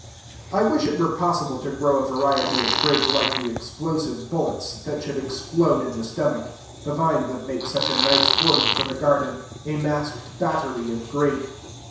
I wish it were possible to grow a variety of grape like the explosive bullets, that should explode in the stomach: the vine would make such a nice border for the garden, a masked battery of grape.